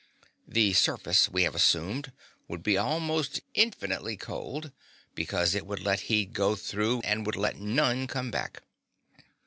The surface, we have assumed, would be almost infinitely cold because it would let heat go through and would let none come back.